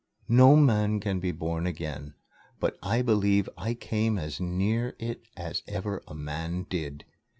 No man can be born again, but I believe I came as near it as ever a man did.